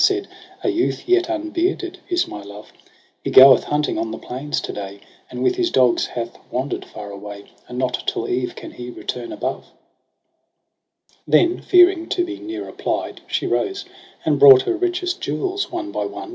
Said ' A youth yet unbearded is my love ; He goeth hunting on the plains to day. And with his dogs hath wander'd far away j And not till eve can he return above/ II Then fearing to be nearer plied, she rose And brought her richest jewels one by one.